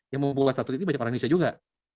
yang membuat satelit itu banyak orang indonesia juga